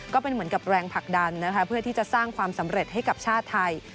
ก็เป็นเหมือนกับแรงผลักดันนะคะเพื่อที่จะสร้างความสำเร็จให้กับชาติไทย